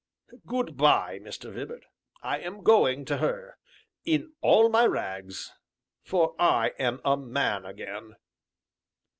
Good by, Mr. Vibart, I am going to her in all my rags for I am a man again."